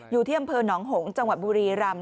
อยู่ที่อำเภอหนองหงษ์จังหวัดบุรีรำ